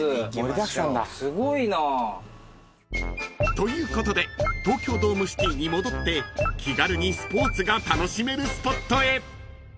［ということで東京ドームシティに戻って気軽にスポーツが楽しめるスポットへ］